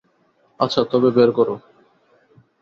আচ্ছা, তবে বের করো।